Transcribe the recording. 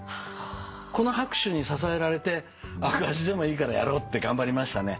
この拍手に支えられて赤字でもいいからやろうって頑張りましたね。